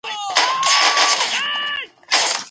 ایا واړه پلورونکي خندان پسته پروسس کوي؟